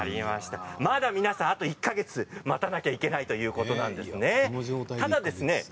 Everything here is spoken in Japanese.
まだ皆さん１か月待たなきゃいけないということなんですね。